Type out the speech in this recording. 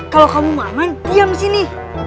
kalau kamu mau aman diam di sini